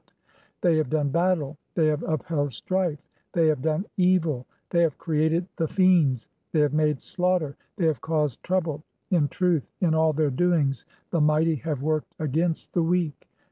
(3) They have done battle, they have "upheld strife, they have done evil, (4) they have created the "fiends, they have made slaughter, they have caused (5) trouble ; "in truth, in all their doings the mighty have worked against "the weak.